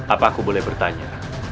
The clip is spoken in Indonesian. apakah aku boleh bertanya